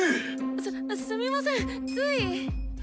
すっすみませんつい。